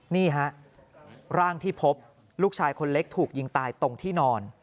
นี่ฮะร่างที่พบลูกชายคนเล็กถูกยิงตายตรงที่นอน